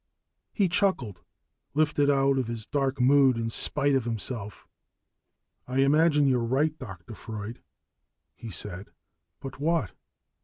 He chuckled, lifted out of his dark mood in spite of himself. "I imagine you're right, Dr. Freud," he said. "But what?"